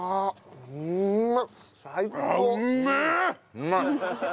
うまい！